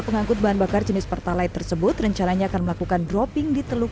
pengangkut bahan bakar jenis pertalite tersebut rencananya akan melakukan dropping di teluk